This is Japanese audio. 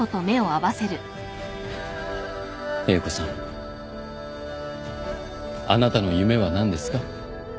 英子さんあなたの夢は何ですか？